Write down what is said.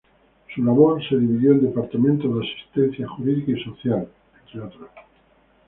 Su labor se dividió en departamentos de asistencia jurídica y social, entre otros.